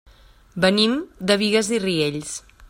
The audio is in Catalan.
Venim de Bigues i Riells.